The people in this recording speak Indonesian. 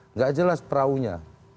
nggak jelas peraunya